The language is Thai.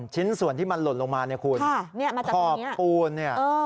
ชิ้นส่วนที่มันหล่นลงมาขอบคุณ